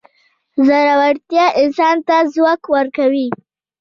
زړورتیا انسان ته ځواک ورکوي.